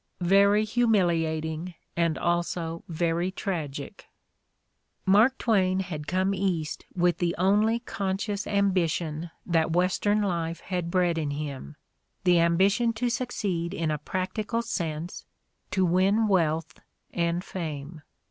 Very humiliating, and also very tragic ! Mark Twain had come East with the only conscious ambition that Western life had bred in him, the ambi tion, to succeed in a practical sense, to win wealth and fame.